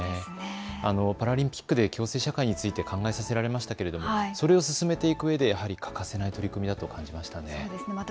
パラリンピックで共生社会について考えさせられましたがそれを進めていくうえで欠かせない取り組みだと思いました。